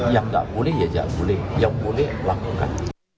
yang nggak boleh ya boleh yang boleh lakukan